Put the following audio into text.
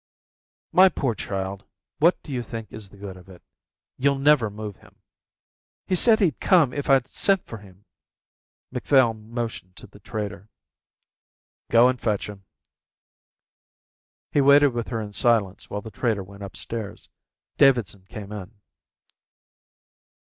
"My poor child, what do you think is the good of it? You'll never move him." "He said he'd come if I sent for him." Macphail motioned to the trader. "Go and fetch him." He waited with her in silence while the trader went upstairs. Davidson came in.